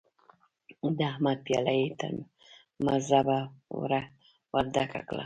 د احمد پياله يې تر مذبه ور ډکه کړه.